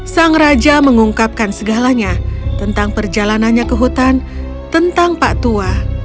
sang raja mengungkapkan segalanya tentang perjalanannya ke hutan tentang pak tua